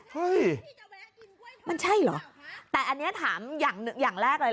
เฮ้ยมันใช่เหรอแต่อันนี้ถามอย่างอย่างแรกเลย